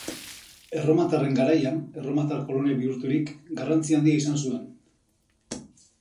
Erromatarren garaian, erromatar kolonia bihurturik, garrantzi handia izan zuen.